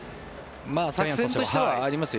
作戦としてはありますよ。